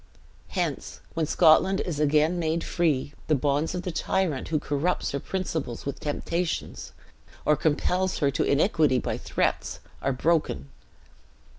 Hence when Scotland is again made free, the bonds of the tyrant who corrupts her principles with temptations, or compels her to iniquity by threats, are broken.